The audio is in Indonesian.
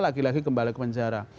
lagi lagi kembali ke penjara